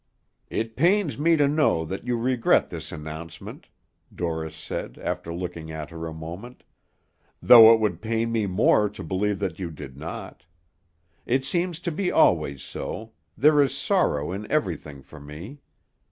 "It pains me to know that you regret this announcement," Dorris said, after looking at her a moment, "though it would pain me more to believe that you did not. It seems to be always so; there is sorrow in everything for me.